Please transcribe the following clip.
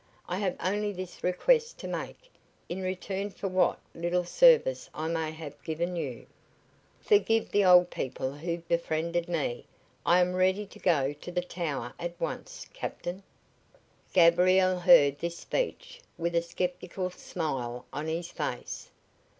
I have only this request to make, in return for what little service I may have given you: Forgive the old people who befriended me. I am ready to go to the Tower at once, captain." Gabriel heard this speech with a skeptical smile on his face.